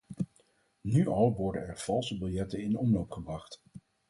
Nu al worden er valse biljetten in omloop gebracht.